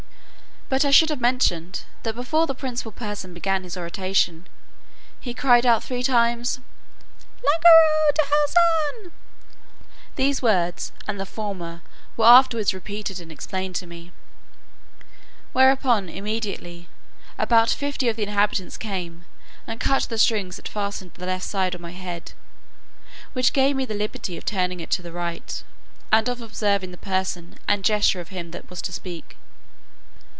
But I should have mentioned, that before the principal person began his oration, he cried out three times, Langro dehul san (these words and the former were afterwards repeated and explained to me); whereupon, immediately, about fifty of the inhabitants came and cut the strings that fastened the left side of my head, which gave me the liberty of turning it to the right, and of observing the person and gesture of him that was to speak.